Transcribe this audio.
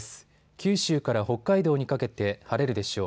九州から北海道にかけて晴れるでしょう。